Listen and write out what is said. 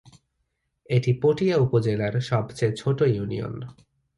এটি পটিয়া উপজেলার সবচেয়ে ছোট ইউনিয়ন।